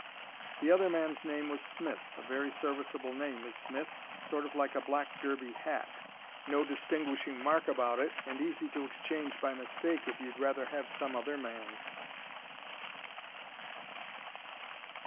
The other man's name was Smith a very serviceable name is Smith; sort of like a black derby hat; no distinguishing mark about it and easy to exchange by mistake if you'd rather have some other man's."